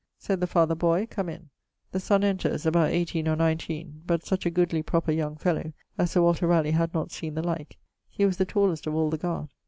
Said the father, 'Boy, come in.' The son enters, about 18 or 19, but such a goodly proper young fellow, as Sir Walter Raleigh had not seen the like he was the tallest of all the guard.